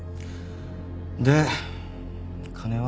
で金は？」